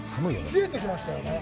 冷えてきましたよね。